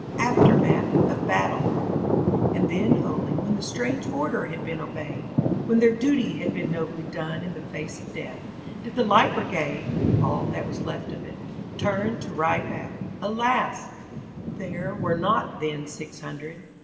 [Illustration: AFTERMATH OF BATTLE°] And then only, when the strange order had been obeyed, when their duty had been nobly done in the face of death, did the Light Brigade all that was left of it turn to ride back. Alas! there were not then six hundred.